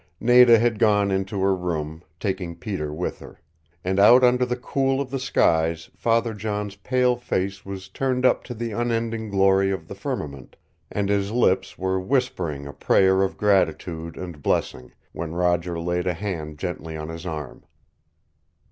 Nada had gone into her room, taking Peter with her, and out under the cool of the skies Father John's pale face was turned up to the unending glory of the firmament, and his lips were whispering a prayer of gratitude and blessing, when Roger laid a hand gently on his arm.